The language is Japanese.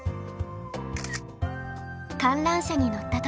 観覧車に乗った時。